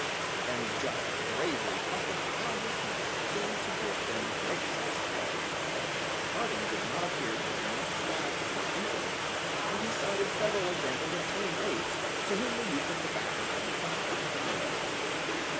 And Jup gravely puffed out clouds of smoke which seemed to give him great satisfaction. Harding did not appear to be much astonished at this incident, and he cited several examples of tame apes, to whom the use of tobacco had become quite familiar.